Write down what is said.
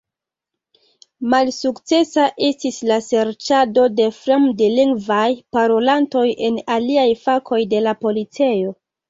Malsukcesa estis la serĉado de fremdlingvaj parolantoj en aliaj fakoj de la policejo.